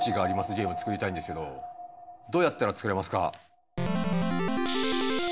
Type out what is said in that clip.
ゲーム作りたいんですけどどうやったら作れますか？